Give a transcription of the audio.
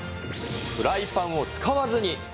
フライパンを使わずに。